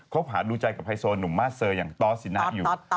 บหาดูใจกับไฮโซหนุ่มมาสเซอร์อย่างตอสสินะอยู่